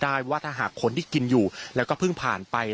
และก็คือว่าถึงแม้วันนี้จะพบรอยเท้าเสียแป้งจริงไหม